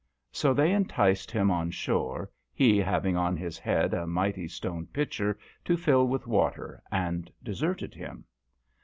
So they enticed him on shore, he having on his head a mighty stone pitcher to fill with water, and deserted him.